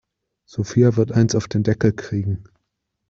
Sophia wird eins auf den Deckel kriegen.